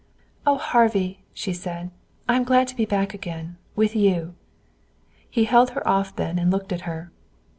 "Oh, Harvey!" she said. "I'm glad to be back again with you." He held her off then and looked at her.